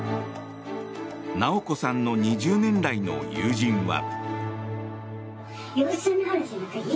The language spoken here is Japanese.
直子さんの２０年来の友人は。